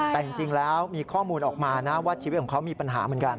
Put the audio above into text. แต่จริงแล้วมีข้อมูลออกมานะว่าชีวิตของเขามีปัญหาเหมือนกัน